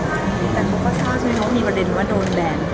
แต่เขาก็เจ้าที่เขามีประเด็นว่าโดนแบน